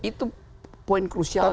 itu poin krusialnya